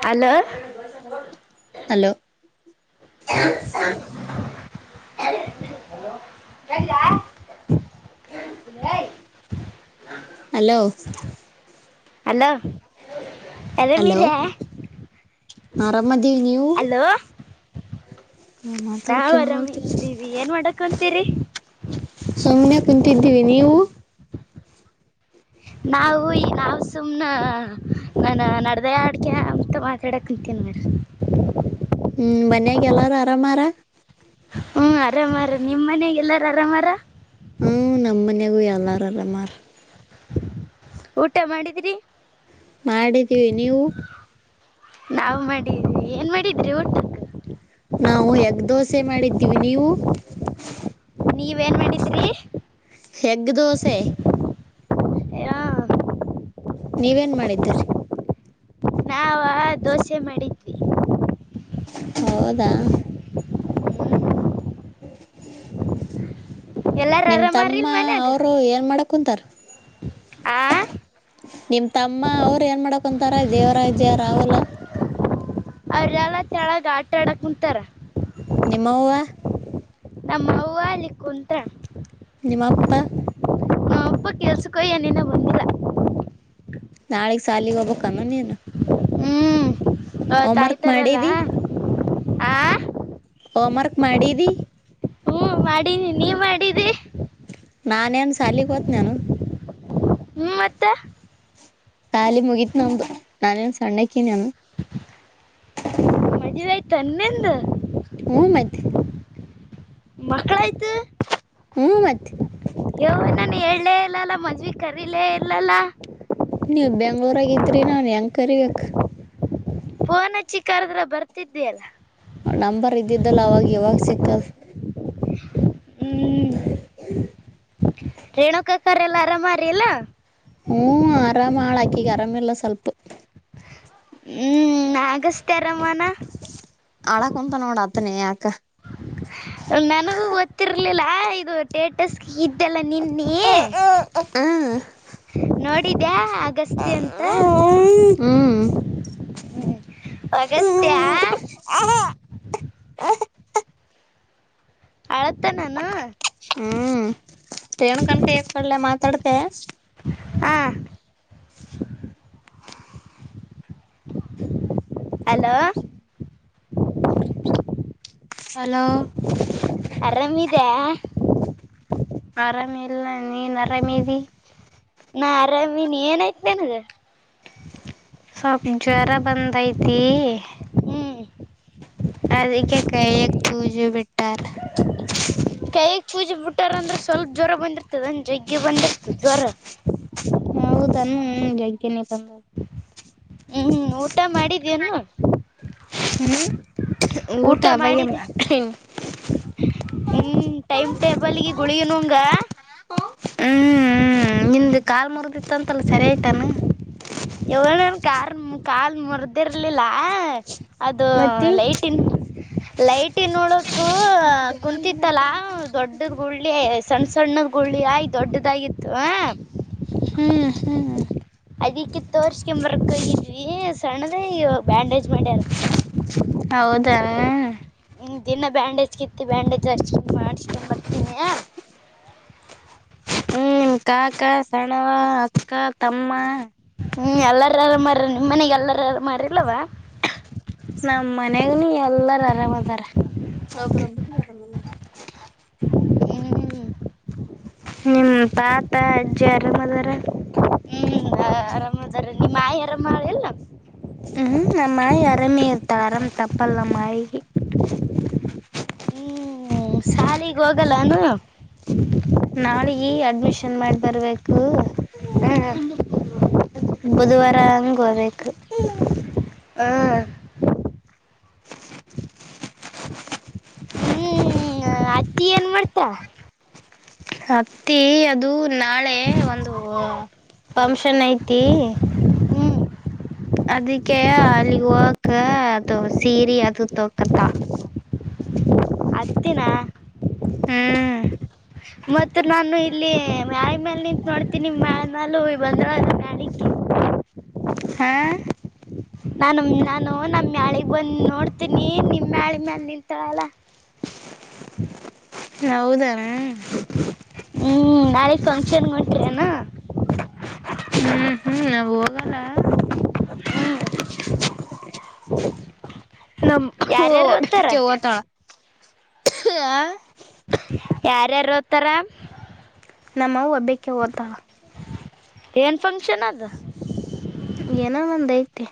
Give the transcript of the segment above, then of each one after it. [unintelligible] Hello. Hello [unintelligible] [unintelligible] hello. Hello ಅರಾ ಮೀರ. ಆರಾಮ ಅದ. ಹಲೋ. ನಾ ಮಾತಾಡ್ ನಾವ್ ಕೇಳವಲ್ತ. ಆರಾಮಿದ್ದೀವಿ ಏನ್ ಮಾಡಕ್ ಕುಂತಿರಿ. ಸುಮ್ನೆ ಕುಂತಿದ್ದೀವಿ ನೀವು. ನಾವು ಈ ನಾವ್ ಸುಮ್ನ ನನ್ನ ನಡೆದ್ಯಡ್ ಕೆಂತ ಮಾತಾಡಕ ಕೇನ್ ನೋಡ್. ಹ್ಮ್ ಮನ್ಯಾಗ ಎಲ್ಲಾರು ಆರಾಮಾರ. ಹ್ಮ್ ಅರಾಮಾರ ನಿಮ್ ಮನಯಾಗ ಎಲ್ಲಾರ ಅರಾಮಾರ. ಹ್ಮ್ ನಮ್ಮ ಮನ್ಯಗೂ ಎಲ್ಲಾರ ಆರಾಮ್ ಆರ್. ಊಟ ಮಾಡಿದ್ರಿ. ಮಾಡಿದ್ದೀವಿ ನೀವು. ನಾವು ಮಾಡಿದ್ದೀವಿ ಏನ್ ಮಾಡಿದ್ರಿ ಊಟಕ್ಕ. ನಾವು ಎಗ್ ದೋಸೆ ಮಾಡಿದ್ದೀವಿ ನೀವು. ನೀವೇನ್ ಮಾಡಿದ್ರಿ. ಏಗ್ ದೋಸೆ. [unintelligible] ನೀವೇನ್ ಮಾಡಿದ್ದರಿ. ನಾವ ದೋಸೆ ಮಾಡಿದ್ವಿ. ಹೌದಾ. [unintelligible] ಎಲ್ಲಾರ ನಿಮ್ ತಮ್ಮ ಆರಾಮಾರಿಲ್ ಮನ್ಯಾಗ ಅವರು ಏನ್ ಮಾಡಕ್ ಕುಂತಾರ. ಆ. ನಿಮ್ ತಮ್ಮ ಅವ್ರ ಏನ್ ಮಾಡಕೊಂತಾರ ದೇವರಾಜ್ಯಾರಾವಲ್ಲ. ಅವ್ರಲ್ಲ ಕೆಳಗ ಆಟ ಆಡಕ್ ಕುಂತಾರ. ನಿಮ್ಮವ್ವ ನಮ್ಮ ಅವ್ವ ಅಲಿ. ನಿಮ್ಮ ಅಪ್ಪ. ನಮ್ಮ ಅಪ್ಪ ಕೆಲಸಕ್ಕ ಹೋಗ್ಯಾನ ಇನ್ನ ಬಂದಿಲ್ಲ. ನಾಳಗ್ ಸಾಲಿಗೆ ಹೋಗ್ಬಬೇಕಾನ ನೀನು ಹ್ಮ್ ಹೋಮ್ವರ್ಕ್ ತಾಯ್ತರಲ್ಲ ಮಾಡಿದಿ ಆ ಹೋಮ್ ವರ್ಕ್ ಮಾಡಿದಿ ಹ್ಮ್ ಮಾಡಿನಿ ನೀವ್ ಮಾಡಿದ್ದಿ ನಾನೇನ್ ಸಾಲಗಹೋತೀನಿ ನಾನ ಮೂವತ್ತ ಸಾಲಿ ಮುಗೀತ ನಮ್ದು ನಾನೇನ್ ಸಣ್ಣಕ್ಕನಾನ ಮದವಿ ಐತು ಏನೂ ನಿಂದು ಹ್ಮ ಮತ್ ಮಕ್ಳ ಆಯ್ತು ಹ್ಮ ಮತ್ತ ಹೇಳೇಲೇ ಇಲ್ಲಲ್ಲಮದವಿ ಕರೀಲೇ ಇರ್ಲ್ಲಲ್ಲ ನೀವು ಬೆಂಗಳುರಾಗಿದ್ರಿ ನಾನ್ ಹೆಂಗ ಕರಿಬೇಕಕ್ ಫೋನ ಚಿಕ್ಕಾರದ್ರ ಬರ್ತಿದ್ದ ಅಲ್ಲ ನಂಬರ್ ಇದ್ದಿದ್ದಲ್ಲ ಅವಾಗ ಯಾವಾಗ ಸಿಕ್ಕಲ್ ಹ್ಮ ಹ್ಮ ರೇಣುಕ ಕ ಎಲ್ಲ ಆರಾಮಾರಿ ಎಲ್ಲಾ ಹ್ಮ ಆರಾಮ ಹಾಳ ಹಾಕಿ ಆರಾಮ ಇಲ್ಲ ಸ್ವಲ್ಪ ಹ್ಮ್ ಅಗಸ್ತ್ಯ ಅರಮಾನ ಪತ್ತನೇಯಕ ನನಗೂ ಗೊತ್ತಿರ್ಲಿಲ್ಲ ಇದು ಟೇಟಸ್ಗೆ ಇದ್ದೆಲ್ಲ ನಿನ್ ನೀ ಹ್ಮ್ ನೋಡಿದ್ಯಾ ಅಗಸ್ತ್ಯ ಅಂತ ಹ್ಮ್ ಹ್ಮ್. ಅಗಸ್ತ್ಯ ಅಳುತನ ಏನೂ ರೇಣುಕಾ ಕನ ಕೈಯಾಗ ಕೊಡಲ್ಯಾ ಮಾತಾಡತಿ ಹಾ ಹಲೋ ಹಲೋ ಆರಾಮಿದೆ ಆರಾಮಿ ಇಲ್ಲ ನೀನ್ ಆರಾಮಿ ನಾ ಆರಾಮಿನ ಏನಾಯ್ತೇನಗ ಸ್ವಲ್ ಜ್ವರ ಬಂದಐತಿ ಹ್ಮ ಅದಕ್ಕೆ ಕೈಯಕ್ ಸೂಜಿ ಬಿಟ್ಟಾರ ಕೈಯಾಗ ಪೂಜೆ ಬಿಟ್ಟಾರಂದ್ರೆ ಸ್ವಲ್ಪ ಜ್ವರ ಬಂದಿರ್ತದಂದ ಜಗ್ಗೆ ಬಂದಿರ್ತದ ಜ್ವರ ಹೌದನ್ನು ಹಗನೆ ತಂದ ಹ್ಮ್ ಊಟ ಮಾಡಿದ್ಯನು ಹ್ಮ್ ಊಟ ಬ [unintelligible] ಹ್ಮ್ ಟೈಮ್ ಟೇಬಲ್ಗೆ ಗುಳಗನುಂಗ [inaudible] ಹ್ಮ್ ನಿಮ್ದ ಕಾಲ್ ಮುರದಿತ್ತಂತಲ್ಲ ಸರಿಯ್ತಾನ ಇವಳ ನನ್ ಕಾರ್ ಕಾಲ್ ಮುರ್ದಿರ್ಲಿಲ್ಲ ಅದು ಮತ್ತಿ ಲೈಟನ್ ಲೈಟನ್ ನೋಡಕೂ ಕುಂತಿತ್ತಲಾದು ದೊಡ್ಡ ಗುಳ್ಳಿ ಸಣ್ಣ ಸಣ್ಣದಳ್ಳಿ ಆಯ್ ದೊಡ್ಡದಾಗಿ ಹ್ಮ್ ಹ್ಮ್ ಅದಿಕ್ಕಿ ತೋರ್ಸ್ಕಂಬ ವರ್ಕ್ ಇದ್ವಿ ಸಣ್ಣದ ಬ್ಯಾಂಡೇಜ್ ಮಾಡ್ಯಾರ ಹೌದ ಹ ದಿನ ಬ್ಯಾಂಡೇಜ್ ಕಿತ್ತ ಬ್ಯಾಂಡೇಜ್ ಅಷ್ಟ ಮಾಡಿಸಕೊಂಡ ಬರ್ತೀನಿ ಹ್ಮ್ ಕಾಕಾ ಸೆಣವ ಅಕ್ಕಾ ತಮ್ಮ ಹ್ಮ್ ಎಲ್ಲಾರಲ್ಲ ಮಾರ ನಿಮ್ಮ ಮನೆಗೆ ಎಲ್ಲಾರಲ್ಲ ಮಾರಲ್ಲವ ನಮ ಮನಾಗ ಎಲ್ಲಾರ ಆರಾಮದಾರ ಹ್ಮ್ ಹ್ಮ್ ತಾತ ಅಜ್ಜಿ ಆರಾಮ ಅದಾರ [unintelligible] ಆರಾಮ್ ಇದರ ನಿಮ್ಮಯಿ ಆರಾಮ [unintelligible] ಇಲ್ಲ. ನಮ್ಮಾಯಿ ಆರಾಮಿತ [unintelligible] ಅರಾಮ್ ತಪ್ಪಲ್ಲ ನಮ್ ಮಾಯಿ. ಹ್ಮ ಶಾಲಿಗೆ ಹೋಗಲ್ಲ ಏನು. ನಾಳೆಗೆ [unintelligible] ಅಡ್ಮಿಷನ್ ಮಾಡಿ ಬರ್ಬೇಕು. ಹ್ಮ್ ಬುಧವಾರ ಹಂಗ ಹೋಗ್ಬೇಕು. ಹ [unintelligible] [unintelligible] ಏನ್ ಮಾಡ್ತಾ. ಅತ್ತಿ ಅದು ನಾಳೆ ಒಂದು [unintelligible] ಫಂಕ್ಷನ್ ಐತಿ ಹ್ಮ್ ಅದಕ್ಕೆ ಅಲ್ಲಿಗ್ ಹೋಗಾಕ ಅದು ಸೀರೆ ಅದು ತೊಕ್ಕಂತಳ [unintelligible] [inaudible] ಹತ್ತಿನ ಹ್ಮ್ ಮತ್ತ ನಾನು ಇಲ್ಲಿ ಮ್ಯಳ [unintelligible] ನಿಂತ್ ನೋಡ್ತೀನಿ ಮ್ಯಳ್ [unintelligible] ಹಾ ನಾನು ನಾನು ನಮ್ಯಾಳಗ್ [unintelligible] ಬಂದ್ ನೋಡ್ತೀನಿ ನಿಮ್ [unintelligible] ಮ್ಯಾಳ ನಿಂತಳಲ್ಲ. ಹೌದನ [unintelligible] ಹ್ಮ್ ನಾಳಗ್ ಫಂಕ್ಷನ್ ಒಂಟಿರನಾ. ಹ್ಮ್ ಹ್ಮ್ [unintelligible] ಹೋಗಲ್ಲ [inaudible] ನಮ್ ಯಾರ್ಯಾರು ಓದ್ತಾರ [unintelligible] ಯಾರ್ಯಾರ್ ಹೋತರ ನಮ್ಮ ಅವ್ವ್ ಒಬ್ಬಕ್ಕೆ ಹೋತಳ. ಏನ್ ಫಂಕ್ಷನ್ ಅದು. ಏನೋ ಒಂದಐತೆ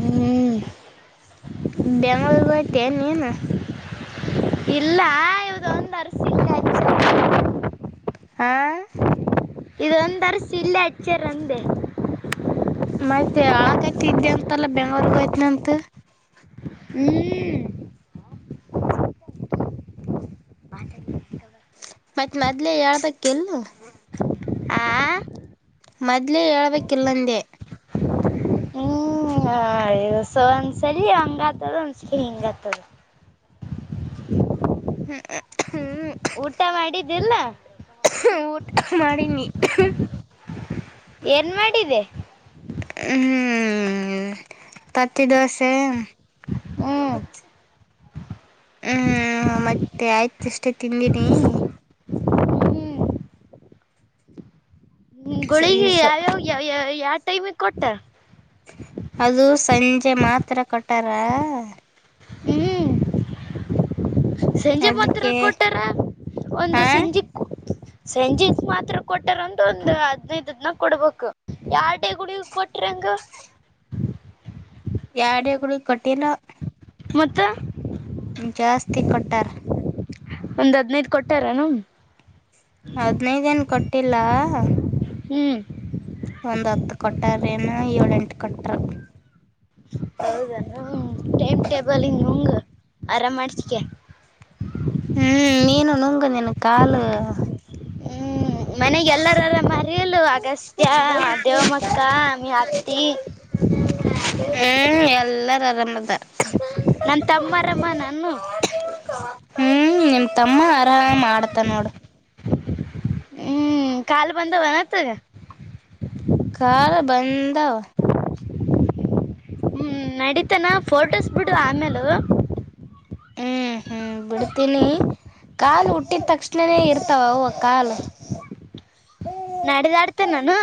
ಹ್ಮ್ [unintelligible] ಬೆಂಗಳೂರುಗ್ ಹೋಯ್ತಿ ಏನ್ ನೀನು. ಇಲ್ಲ ಇವದೊಂದ ಅರಸಿಂಗ [unintelligible] ಹ [unintelligible] ಇದೊಂದ ಅರಸಿ ಇಲ್ಲ ಹಚ್ಚರ್ಂದೆ [unintelligible] [unintelligible] ಇದೆ ಅಂತಲ್ಲ ಬೆಂಗ್ಳೂರಿಗ ಹೋಯ್ಯ್ತನ ಅಂತ. ಹ್ಮ ಮತ್ತ್ ಮೊದ್ಲೆೇ ಯಳ್ಬೇಕ [unintelligible] ಎಲ್ಲಿ. ಆ ಮೊದ್ಲೇ ಹೇಳ್ಬೇಕಕ್ಕಿಲ್ಲಂದೆ. [unintelligible] ಒಂದ್ಸರಿ ಹಂಗ ಆತದ ಒಂದ್ಸರಿ ಹಿಂಗ ಆತದ. ಹ [unintelligible] ಊಟ ಮಾಡಿದ್ದಲ್ಲ. ಊಟ ಮಾಡಿನಿ [unintelligible] ಏನ್ ಮಾಡಿದೆ. ಹ [unintelligible] ಪತಿದೋಸೆ ಹ್ಮ್ ಹ್ಮ್ ಮತ್ತೆ ಆಯ್ತ ಅಷ್ಟೇ ತಿಂದೀನಿ. ಹ್ಮ್ ಗೋಳಿಗೆ ಯಾವ್ಯಾವ [unintelligible] ಯಾವ ಟೈಮಿಗೆ ಕೊಟ್ಟ. ಅದು ಸಂಜೆ ಮಾತ್ರ ಕೊಟ್ಟಾರ. ಹ್ಮ್ ಸಂಜೆ ಮಾತ್ರ ಅದಕ್ಕೆ ಕೊಟ್ಟಾರ ಒಂದು ಹಾ ಸಂಜಿಕ್ಕೂ [unintelligible] ಸಂಜೆಗ್ ಮಾತ್ರ ಕೊಟಾರಂತ ಒಂದ್ ಹದ್ನೈದು [unintelligible] ಕೊಡ್ಬೇಕು ಯಾ [unintelligible] ಟೇ ಗುಡಗ್ ಕೊಟ್ರ ಗ [unintelligible] [unintelligible] ಮತ್ತ ಜಾಸ್ತಿ ಕೊಟ್ಟಾರ ಒಂದ್ ಹದ್ನೈದ ಕೊಟ್ಟಾರನು. ಹದ್ನೈದ ಏನ್ ಕೊಟ್ಟಿಲ್ಲ. ಹ್ಮ್. ಏನು ಏಳೆಂಟ್ ಕೊಟ್ರು. ಹೌದ ಟೈಮ್ ಟೇಬಲಗಿ ನುಂಗ ಆರಾಮ್ ಮಾಡ್ಸಿಕ. ಹ್ಮ್ ನೀನು ನುಂಗ. ನಿನ ಕಾಲು, ಮನೆಗೆಲ್ಲಾ ಎಲ್ಲರ ಆರಮಾರಿಲ್ಲ. ಅಗಸ್ತ್ಯ, ದೇವಮಕ್ಕ, ನಿಮ್ಮ ಅತ್ತಿ, ಹಾ. ಎಲ್ಲಾರು ಆರಾಮದರ. ನಮ್ಮ ತಮ್ಮ ಆರಾಮ್ ಆನನು. ಹ್ಮ್ ನಿಮ್ ತಮ್ಮ ಆರಾಮ್ ಆಡ್ತಾನ ನೋಡು. ಹ್ಮ್ ಕಾಲು ಬಂದವ ಅನ ಅತಗ. ಕಾಲ್ ಬಂದ್ವ. ಹ್ಮ್ ನಡೀತನ ಫೋಟೋಸ್ ಬಿಡು ಆಮೇಲು. ಹ್ಮ್ ಹ್ಮ್ ಬಿಡ್ತೀನಿ. ಕಾಲು ಹುಟ್ಟಿದ ತಕ್ಷಣನೇ ಇರ್ತಾವ ಅವ್ ಕಾಲು. ನಡಿದಾಡ್ತೇನ ಅನ್ನೂನು.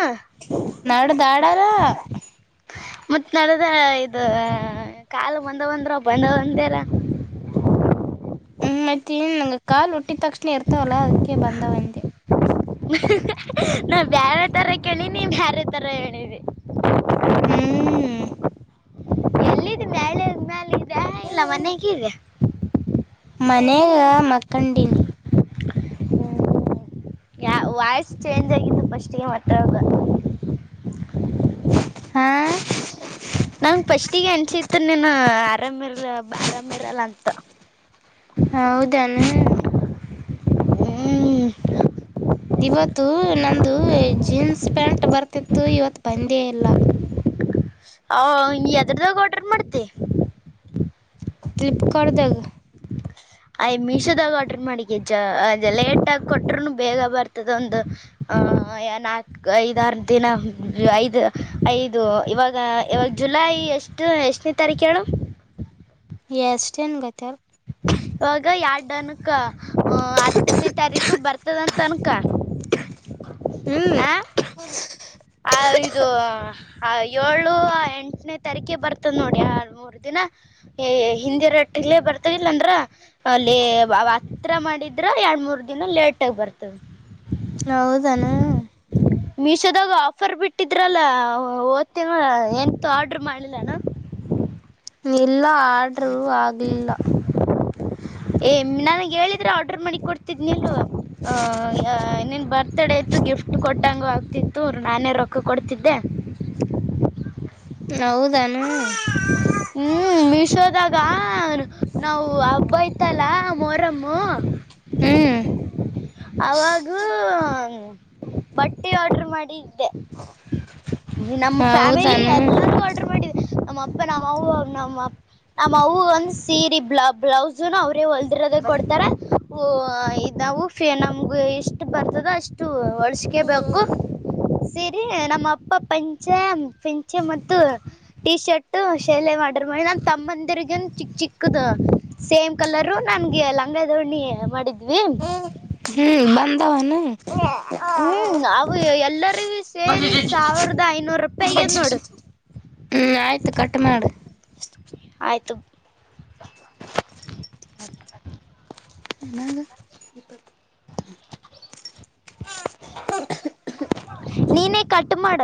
[unintelligible] ಮತ್ತ್ ನಡದ ಇದ ಕಾಲ ಬಂದವ ಅಂದ್ರ ಬಂದವ ಅಧ್ಯಾಲ. [inaudible] ಹ್ಮ್ ಮತ್ತನ್ ಕಾಲ ಹುಟ್ಟಿದ ತಕ್ಷಣ ಇರ್ತವಲ್ಲ ಅದಕ್ಕೆ ಬಂದವಂದೆ. ನಾ ಬ್ಯಾರೆ ತರ ಕೇಳಿನಿ, ಬ್ಯಾರೆ ತರ ಹೇಳಿದಿ, ಹ್ಮ್ ಎಲ್ಲಿದೀ ಮ್ಯಾಳಿಗಿ ಮ್ಯಾಲ ಇದ್ಯಾ ಇಲ್ಲ ಮನೆಗೆ ಇದ್ಯಾ. ಮನೆಗ ಮಕ್ಕಂಡಿನಿ. ಯಾ ವಾಯ್ಸ್ ಚೇಂಜ್ ಆಗಿದ್ದು ಫಸ್ಟ್ಗೆ ಮಾತ್ ಅಡ್ ದಾ, ಹಾ ನಂಗ್ ಫಸ್ಟಿಗೆ ಅನ್ಸಿತ್ತ ನೀನು, ಅರಾಮೇರ ಬಾರಾಮೇರಲ್ಲ ಅಂತ. ಹೌದನುಮೂಲ. ಹ್ಮ್. ಒಂದು ಜೀನ್ಸ್ ಪ್ಯಾಂಟ್ ಬರ್ತಿತ್ತು ಇವತ್ ಬಂದೇ ಇಲ್ಲ. ಹೌ ಹೌ ನೀ ಎದ್ರಗ ಆರ್ಡರ್ ಮಾಡ್ತಿ. ಫ್ಲಿಪ್ಕಾರ್ಟ್ದಾಗ ಅಯ್ ಮೀಶೋದಾಗ ಆರ್ಡ್ರ ಮಾಡಗೆ ಜ್ಜ ಅ ಲೇಟ್ ಆಗ ಕೊಟರುನು ಬೇಗ ಬರ್ತದ. ಒಂದು, ನಾಲ್ಕು ಐದಾರು ದಿನ ಐದು ಐದು ಇವಾಗ ಇವಾಗ ಜು ಲೈ ಎಷ್ಟು, ಎಷ್ಟನೇ, ತಾರೀಕ ಹೇಳು. ಎಷ್ಟೇನ ಗೊತ್ತಿ ಇವಾಗ ಎಡ್ ಅನಕ. ಹತ್ತನೇ ತಾರೀಕು ಬರ್ತದಂತ ಅನ್ಕ. [inaudible] ಹ್ಮ್ ಆ, ಆ ಇದು ಆ ಏಳು ಆ ಎಂಟನೇ ತಾರೀಕ ಬರ್ತದ್. ನೋಡ. ಆ ಎಡ್, ಮೂರ್, ದಿನ ಹಿಂದಿ ರಟ್ಟಿಲೇ ಬರದೀವಿಲ್ ಅಂದ್ರ, ಅಲ್ಲಿ ಅವ ಹತ್ರ ಮಾಡಿದ್ರ, ಎರಡ ಮೂರ್ ದಿನ ಲೇಟ್ ಆಗಿ ಬರ್ತದ. ಹೌದ ಅನು. ಮೀಶೊದ್ಗಾ ಆಫ್ ಫರ್ ಬಿಟ್ಟಿದ್ರಲ್ಲ ಓದ್ತೇನಳ್ ಎಂತೂ ಆರ್ಡ್ರ ಮಾಡ್ಲಿಲ್ನು. ಇಲ್ಲ ಆರ್ಡರು ಆಗ್ಲಿಲ್ಲ ಏ ನನಗೆ ಹೇಳಿದ್ರೆ ಆರ್ಡರ್ ಮಾಡಿ ಕೊಡ್ತಿದ್ನಲ್ಲ. ನಿನ್ ಬರ್ತಡೇ ಇತ್ತು ಗಿ ಫ್ಟ್ ಕೊಟ್ಟಂಗ ಆಗ್ತಿತ್ತು ನಾನೇ ರೊಕ್ಕ ಕೊಡ್ತಿದ್ದೆ. ಹೌದನು. ಇವಾಗ ನಾವು ಹಬ್ಬ ಇತ್ತಲ ಮೋರಂ. ಹ್ಮ್. ಅವಾಗ ಬಟ್ಟಿ ಆರ್ಡ್ರ ಮಾಡಿದ್ದೆ. ನಮ್ಮ ಫ್ಯಾಮಿಲಿ ಹೌದಾನ ಎಲ್ಲರೂ ಆರ್ಡರ್ ಮಾಡಿದ ನಮ್ಮ ಅಪ್ಪ ನಮ್ಮವು ನಮ್ಮ ನಮ್ಮ ಅವಒಂದ್ ಸೀರೆ ಬ್ಲ ಬ್ಲೌಸುನು ಅವ್ರೇ ಹೊಲ್ದಿರೋದೇ ಕೊಡ್ತಾರೆ ಓ ಇದ ನಾವು ಫ ನಮ್ಗೆ ಇಷ್ಟು ಬರ್ತದ ಅಷ್ಟು ಹೊಳ್ಸಕೇಬೇಕು ಸಿರಿ ನಮ್ಮ ಅಪ್ಪ ಪಂಚ ಪಂಚೆ ಮತ್ತು ಟಿ ಶರ್ಟ್ ಶೆಲೆ ಮಾಡ್ರ ಮ ನನ್ ತಮ್ಮಂದಿರ್ಗ ಚಿಕ್ ಚಿಕ್ಕದು ಸೇಮ್ ಕಲರು ನ ನನ್ಗೆ ಲಂಗ ದೋಣಿ ಮಾಡಿದ್ವಿ ಹ್ಮ್ ಬ ಹ್ಮ್ ಹ್ಞೂ ಅವು ಎಲ್ಲರಿಗೂ ಸೇರಿ ಸಾವಿರದ ಐನೂರು ರೂಪಾಯಿ ಆಗ್ಯದ ನೋಡು ಆಯ್ತು ಕಟ್ ಮಾಡ ಆಯತು ನದು ನೀನೇ ಕಟ್ ಮಾಡ